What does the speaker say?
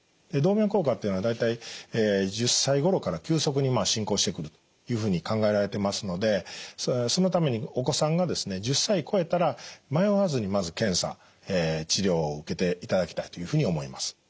動脈硬化っていうのは大体１０歳頃から急速に進行してくるいうふうに考えられてますのでそのためにお子さんがですね１０歳超えたら迷わずにまず検査・治療を受けていただきたいというふうに思います。